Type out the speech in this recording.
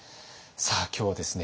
さあ今日はですね